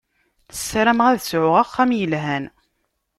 Sarameɣ ad sɛuɣ axxam yelhan.